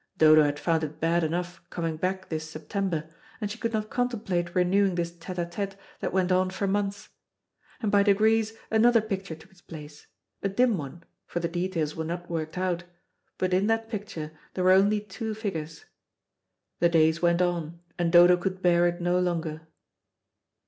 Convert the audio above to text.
Dodo had found it bad enough coming back this September, and she could not contemplate renewing this tête à tête that went on for months. And by degrees another picture took its place a dim one, for the details were not worked out but in that picture there were only two figures. The days went on and Dodo could bear it no longer.